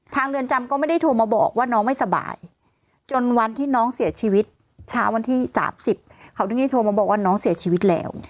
เรือนจำก็ไม่ได้โทรมาบอกว่าน้องไม่สบายจนวันที่น้องเสียชีวิตเช้าวันที่๓๐เขาถึงได้โทรมาบอกว่าน้องเสียชีวิตแล้ว